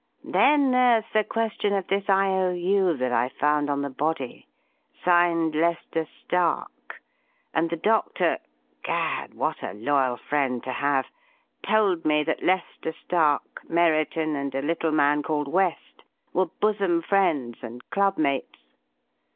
Then there's the question of this I.O.U. that I found on the body. Signed 'Lester Stark', and the doctor Gad! what a loyal friend to have! told me that Lester Stark, Merriton, and a little man called West were bosom friends and club mates."